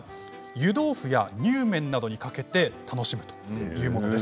湯豆腐やにゅうめんなどにかけて楽しむということです。